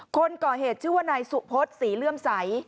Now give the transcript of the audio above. คนก่อเหตุชื่อว่านายสุพฤษศรีเลื่อมใส